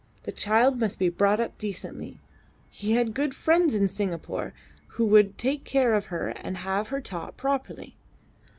The child must be brought up decently. He had good friends in Singapore who would take care of her and have her taught properly.